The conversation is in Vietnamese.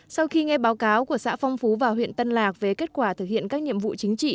sau khi nghe báo cáo của xã phong phú và huyện tân lạc về kết quả thực hiện các nhiệm vụ chính trị